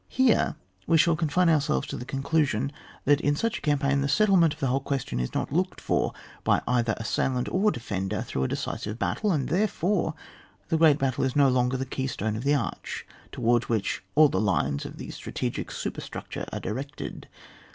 VOL. u. ( Here we shall confine ourselves to the conclusion that in such a campaign the settlement of the whole question is not looked for by either assailant or defender through a decisive battle, that, therefore, the great battle is no longer the key stone of the arch, towards which all the lines of the strategic superstructure are di rected.